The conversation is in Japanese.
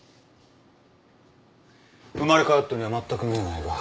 生まれ変わったようにはまったく見えないが。